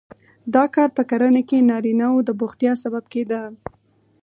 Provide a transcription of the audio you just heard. دا کار په کرنه کې نارینه وو د بوختیا سبب کېده.